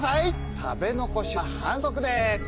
食べ残しは反則です